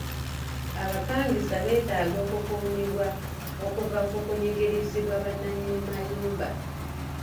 Abapangisa beetaaga okuumibwa okuva ku kunyigirizibwa ba nnanyini mayumba.